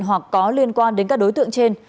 hoặc có liên quan đến các đối tượng trên